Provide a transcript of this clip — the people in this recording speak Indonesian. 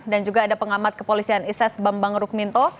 dan juga ada pengamat kepolisian iss bambang rukminto